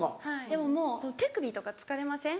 でももう手首とか疲れません？